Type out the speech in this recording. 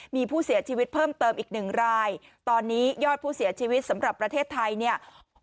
มีผู้เสียชีวิตเพิ่มเติมอีกหนึ่งรายตอนนี้ยอดผู้เสียชีวิตสำหรับประเทศไทยเนี่ย